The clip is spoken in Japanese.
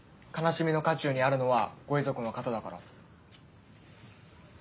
悲しみの渦中にあるのはご遺族の方だから。